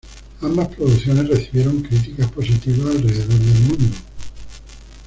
Ambas producciones recibieron críticas positivas alrededor del mundo.